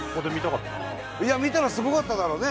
いや見たらすごかっただろうね。